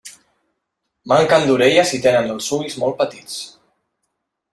Manquen d'orelles i tenen els ulls molt petits.